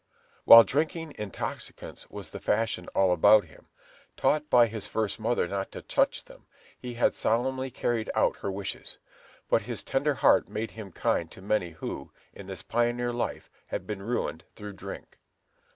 While drinking intoxicants was the fashion all about him, taught by his first mother not to touch them, he had solemnly carried out her wishes. But his tender heart made him kind to the many who, in this pioneer life, had been ruined through drink.